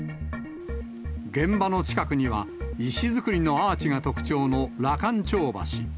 現場の近くには、石造りのアーチが特徴の羅漢町橋。